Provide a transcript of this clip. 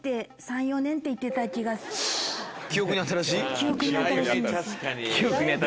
記憶に新しいんですはい。